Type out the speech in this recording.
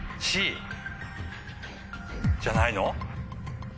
じゃないの？